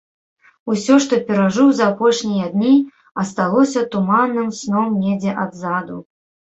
Усё, што перажыў за апошнія дні, асталося туманным сном недзе адзаду.